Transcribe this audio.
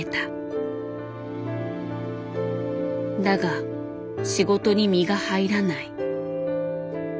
だが仕事に身が入らない。